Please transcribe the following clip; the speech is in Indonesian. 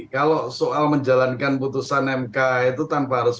kalau soal menjalankan putusan mk itu tanpa harus